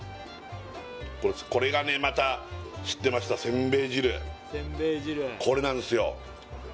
これがねまた知ってましたこれなんですよ